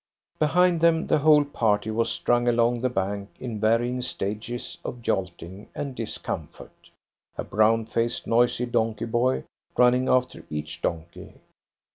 Behind them the whole party was strung along the bank in varying stages of jolting and discomfort, a brown faced, noisy donkey boy running after each donkey.